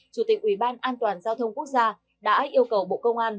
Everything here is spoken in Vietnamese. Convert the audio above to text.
chủ tịch uban giao thông quốc gia đã yêu cầu bộ công an